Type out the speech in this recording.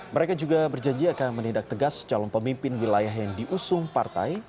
mereka juga berjanji akan menindak tegas calon pemimpin wilayah yang diusung partai